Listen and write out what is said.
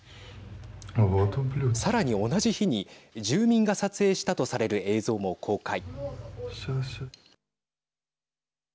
さらに、同じ日に住民が撮影したとされる映像も公開。